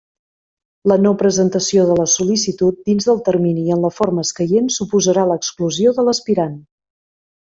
La no-presentació de la sol·licitud dins del termini i en la forma escaient suposarà l'exclusió de l'aspirant.